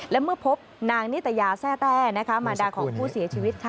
และเมื่อพบนางนิตยาแซ่แต้มารดาของผู้เสียชีวิตค่ะ